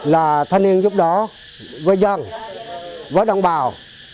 là thanh niên giúp đỡ với dân với đồng bào